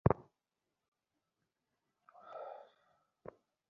মৃত্যুঞ্জয় বাক্সটি লইয়া অনেকক্ষণ নাড়াচাড়া করিয়া দেখিল।